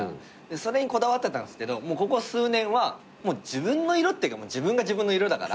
それにこだわってたんすけどもうここ数年は自分の色っていうか自分が自分の色だから。